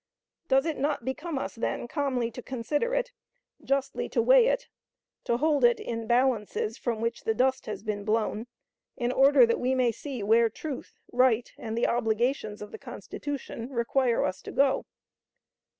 Does it not become us, then, calmly to consider it, justly to weigh it; to hold it in balances from which the dust has been blown, in order that we may see where truth, right, and the obligations of the Constitution require us to go?